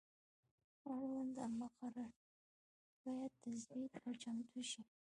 اړونده مقررې باید تثبیت او چمتو شي.